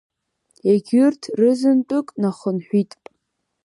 Егьырҭ рызынтәык нахынҳәит.